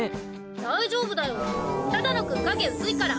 大丈夫だよ只野くん影薄いから。